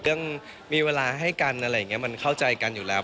ก็มีเวลาให้กันอะไรอย่างนี้มันเข้าใจกันอยู่แล้ว